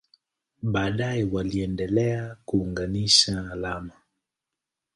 Baadaye waliendelea kuunganisha alama.